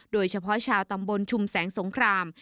โดยเฉพาะชาวตำบลชุมแสงสงคราม